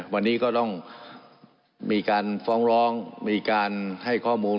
วันนี้ก็ต้องมีการฟ้องร้องมีการให้ข้อมูล